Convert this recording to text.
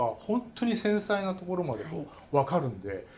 本当に繊細なところまで分かるんで。